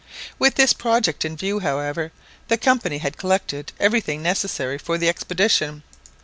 With this project in view, however, the Company had collected everything necessary for the expedition.